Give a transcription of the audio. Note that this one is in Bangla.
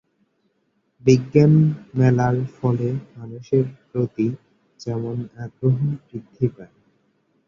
বিজ্ঞান মেলার ফলে মানুষের এর প্রতি যেমন আগ্রহ বৃদ্ধি পায়।